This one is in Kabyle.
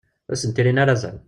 Ur asent-rrin ara azal.